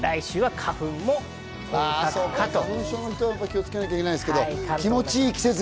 花粉症の方は気をつけなきゃいけないですけれども、気持ちの良い季節が